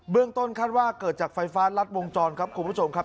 ต้นคาดว่าเกิดจากไฟฟ้ารัดวงจรครับคุณผู้ชมครับ